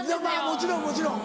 もちろんもちろん。